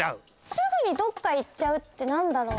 すぐにどっかいっちゃうってなんだろう？